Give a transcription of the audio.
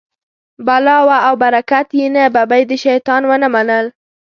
بلا وه او برکت یې نه، ببۍ د شیطان و نه منل.